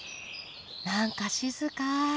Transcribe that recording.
何か静か。